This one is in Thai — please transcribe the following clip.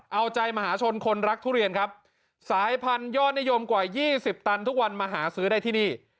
เอาใจมหาชนคนรักทุเรียนครับสายพันธุยอดนิยมกว่า๒๐ตันทุกวันมาหาซื้อได้ที่นี่